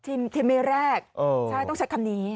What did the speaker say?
ทีมเมียแรกต้องใช้คำนี้